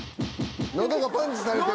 喉がパンチされてる？